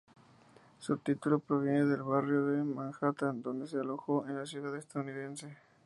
Su título proviene del barrio de Manhattan donde se alojó en la ciudad estadounidense.